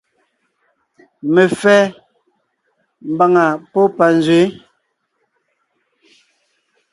Mefɛ́ (mbàŋa pɔ́ panzwě ).